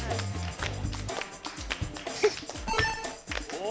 お！